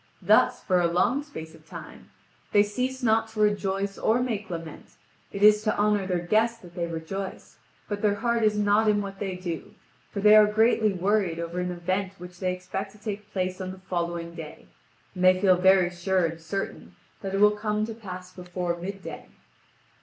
Thus, for a long space of time, they cease not to rejoice or make lament: it is to honour their guest that they rejoice, but their heart is not in what they do, for they are greatly worried over an event which they expect to take place on the following day, and they feel very sure and certain that it will come to pass before midday.